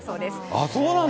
ああ、そうなんだ。